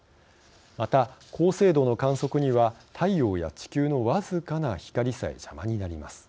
また、高精度の観測には太陽や地球の僅かな光さえ邪魔になります。